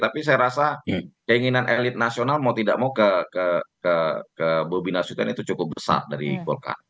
tapi saya rasa keinginan elit nasional mau tidak mau ke bobi nasution itu cukup besar dari golkar